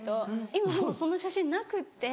今もうその写真なくって。